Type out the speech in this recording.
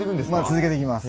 続けていきます。